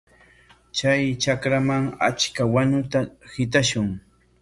Chay trakraman achka wanuta hitashun.